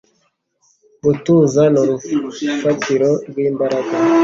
Gutuza ni urufatiro rw'imbaraga.”